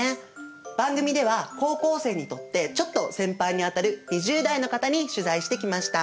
番組では高校生にとってちょっと先輩にあたる２０代の方に取材してきました。